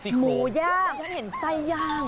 หมูย่าง